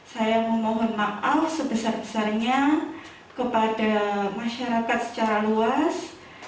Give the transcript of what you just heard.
saya memohon maaf sebesar besarnya kepada masyarakat secara luas